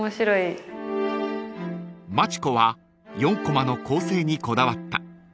［町子は４こまの構成にこだわった］